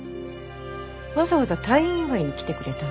わざわざ退院祝いに来てくれたの？